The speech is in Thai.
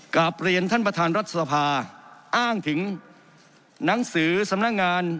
กลับเรียนท่านประธานรัฐสภาอ้างถึงหนังสือสำนักงาน